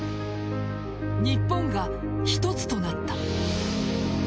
日本が一つとなった。